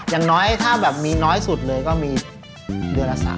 อย่างน้อยถ้าแบบมีน้อยสุดเลยก็มีเดือนละ๓๐๐